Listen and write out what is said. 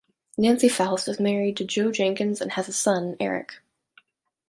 Nancy Faust is married to Joe Jenkins and has a son, Eric.